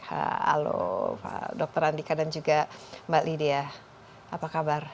halo dokter andika dan juga mbak lydia apa kabar